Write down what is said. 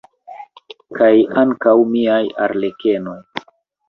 Kaj ankaŭ miaj arlekenoj!